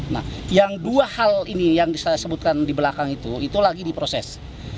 nah yang dua hal ini yang saya sebutkan di belakang itu itu lagi diproses